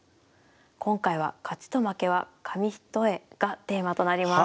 今回は「勝ちと負けは紙一重」がテーマとなります。